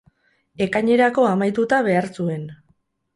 Ekainerako amaituta behar zuen.